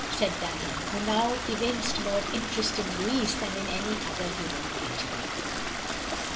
said Dunham, who now evinced more interest in Louis than in any other human creaure.